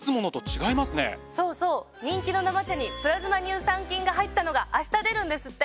そうそう人気の生茶にプラズマ乳酸菌が入ったのが明日出るんですって。